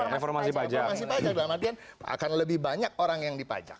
reformasi pajak dalam artian akan lebih banyak orang yang dipajak